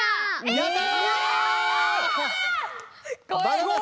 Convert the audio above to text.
やった！